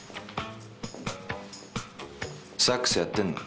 サックスやってるの？